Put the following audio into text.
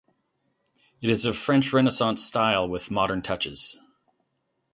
It is of French Renaissance style with modern touches.